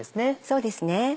そうですね。